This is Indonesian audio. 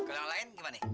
ke orang lain gimana